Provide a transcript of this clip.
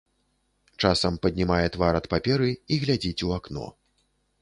Часам паднімае твар ад паперы і глядзіць у акно.